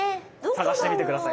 探してみてください。